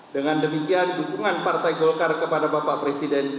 dengan demikian dukungan partai golkar kepada bapak presiden